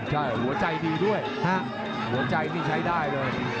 ใช่หัวใจดีด้วยหัวใจนี่ใช้ได้เลย